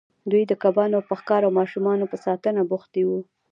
دوی د کبانو په ښکار او ماشومانو په ساتنه بوختې وې.